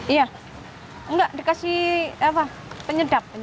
iya enggak dikasih penyedap